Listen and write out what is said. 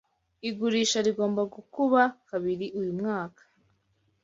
Igurisha rigomba gukuba kabiri uyu mwaka.